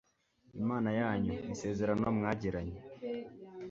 imana yanyu, isezerano mwagiranye